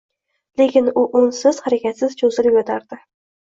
Lekin u unsiz, harakatsiz cho`zilib yotardi